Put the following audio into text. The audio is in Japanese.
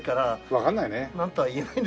わかんないね。